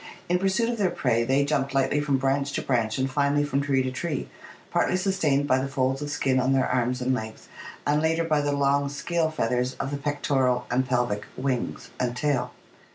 In pursuit of their prey they jumped lightly from branch to branch and finally from tree to tree, partly sustained by the folds of skin on their arms and legs and later by the long scale feathers of the pectoral and pelvic 'wings' and tail.